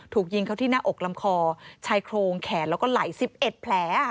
ถูกยิงเขาที่หน้าอกลำคอชายโครงแขนแล้วก็ไหล๑๑แผล